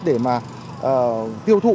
để mà tiêu thụ